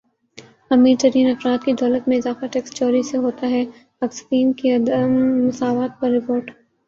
امیر ترین افراد کی دولت میں اضافہ ٹیکس چوری سے ہوتا ہےاکسفیم کی عدم مساوات پر رپورٹ